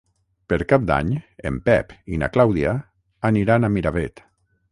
Per Cap d'Any en Pep i na Clàudia aniran a Miravet.